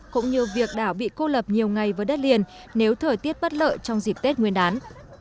cũng như việc đảo bị cô lập nhiều ngày với đất liền nếu thời tiết bất lợi trong dịp tết nguyên đán